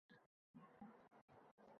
“Sim, dedim, sim-sim, dedim, simlar qo’ynimda